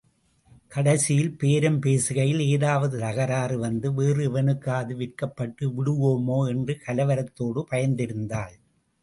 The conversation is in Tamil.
கடைசியில் பேரம் பேசுகையில் ஏதாவது தகராறு வந்து வேறு எவனுக்காவது விற்கப்பட்டு விடுவோமோ என்று கலவரத்தோடு பயந்திருந்தாள்.